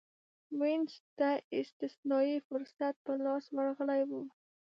وینز ته استثنايي فرصت په لاس ورغلی و